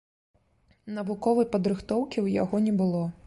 Навуковай падрыхтоўкі ў яго не было.